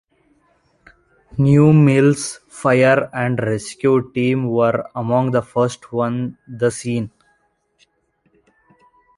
New Mills Fire and Rescue Team were among the first on the scene.